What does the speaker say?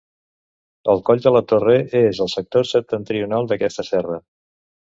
El Coll de la Torre és al sector septentrional d'aquesta serra.